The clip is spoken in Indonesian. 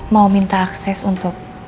mau minta akses untuk